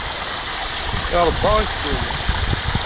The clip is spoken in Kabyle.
Iṛebba aksum.